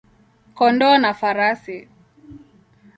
kondoo na farasi.